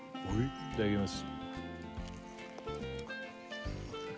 いただきます